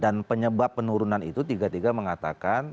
dan penyebab penurunan itu tiga tiga mengatakan